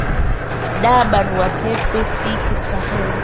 da barua pepe rfi kiswahili